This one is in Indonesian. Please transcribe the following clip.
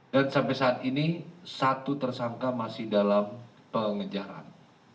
dan sampai saat ini satu tersangka masih dalam pengejaran